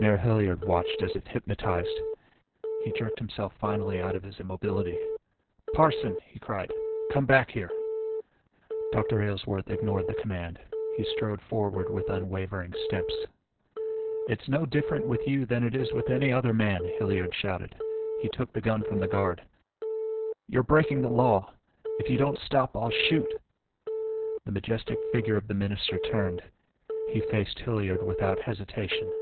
Mayor Hilliard watched as if hypnotized. He jerked himself, finally, out of his immobility. "Parson!" he cried. "Come back here!" Dr. Aylesworth ignored the command. He strode forward with unwavering steps. "It's no different with you than it is with any other man," Hilliard shouted. He took the gun from the guard. "You're breaking the law. If you don't stop I'll shoot!" The majestic figure of the minister turned. He faced Hilliard without hesitation.